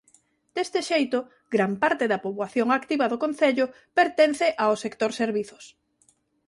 Deste xeito gran parte da poboación activa do concello pertence ao sector servizos.